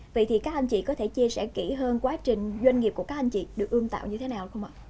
vậy thì các anh chị có thể chia sẻ kỹ hơn quá trình doanh nghiệp của các anh chị được ươm tạo như thế nào không ạ